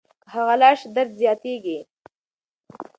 که هغه لاړه شي درد زیاتېږي.